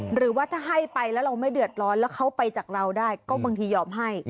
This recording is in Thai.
หรือว่าถ้าให้ไปแล้วเราไม่เดือดร้อนแล้วเขาไปจากเราได้ก็บางทียอมให้